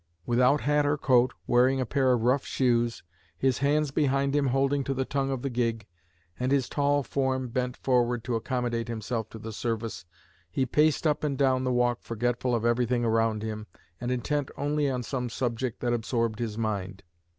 Without hat or coat, wearing a pair of rough shoes, his hands behind him holding to the tongue of the gig, and his tall form bent forward to accommodate himself to the service, he paced up and down the walk forgetful of everything around him and intent only on some subject that absorbed his mind.